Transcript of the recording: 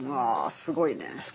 すごいね。